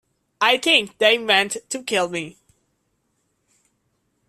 I think they meant to kill me.